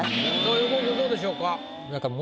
横尾君どうでしょうか？